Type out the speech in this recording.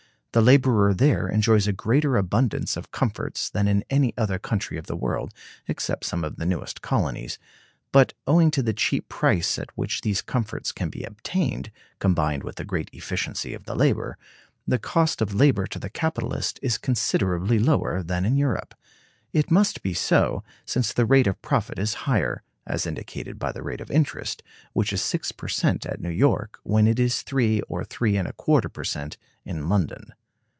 The laborer there enjoys a greater abundance of comforts than in any other country of the world, except some of the newest colonies; but owing to the cheap price at which these comforts can be obtained (combined with the great efficiency of the labor), the cost of labor to the capitalist is considerably lower than in Europe. It must be so, since the rate of profit is higher; as indicated by the rate of interest, which is six per cent at New York when it is three or three and a quarter per cent in London.